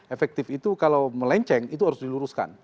efektif itu kalau melenceng itu harus diluruskan